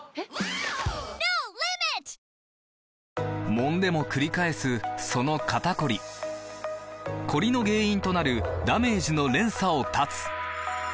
もんでもくり返すその肩こりコリの原因となるダメージの連鎖を断つ！